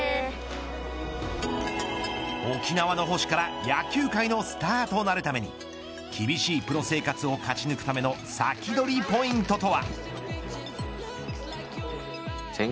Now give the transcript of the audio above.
沖縄の星から野球界のスターとなるために厳しいプロ生活を勝ち抜くためのサキドリポイントとは。